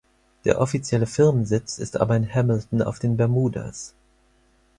Der offizielle Firmensitz ist aber in Hamilton auf den Bermudas.